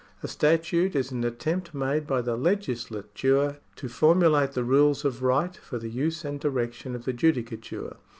A statute is an attempt made by the legislature to formulate the rules of right for the use and direction of the judicature.